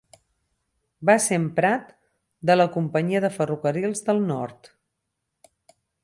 Va ser emprat de la Companyia de Ferrocarrils del Nord.